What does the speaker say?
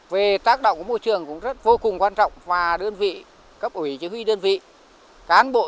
về tác động của môi trường cũng rất vô cùng quan trọng và đơn vị cấp ủy chỉ huy đơn vị cán bộ